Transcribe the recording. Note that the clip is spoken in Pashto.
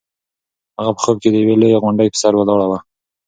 هغه په خوب کې د یوې لویې غونډۍ په سر ولاړه وه.